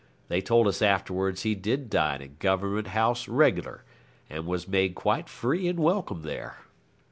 They told us afterwards he did dine at Government House reg'lar, and was made quite free and welcome there.